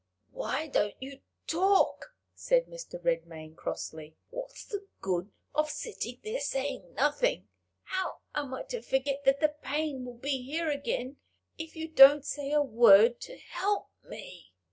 "Why don't you talk?" said Mr. Redmain, crossly. "What's the good of sitting there saying nothing! How am I to forget that the pain will be here again, if you don't say a word to help me?"